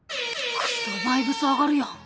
クソバイブス上がるやん。